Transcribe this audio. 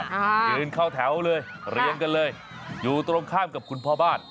อ่ายืนเข้าแถวเลยเรียงกันเลยอยู่ตรงข้ามกับคุณพ่อบ้าน